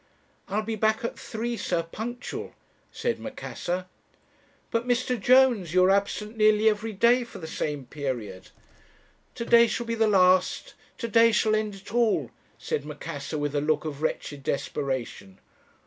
"'I'll be back at three, sir, punctual,' said Macassar. "'But, Mr. Jones, you are absent nearly every day for the same period.' "'To day shall be the last; to day shall end it all,' said Macassar, with a look of wretched desperation.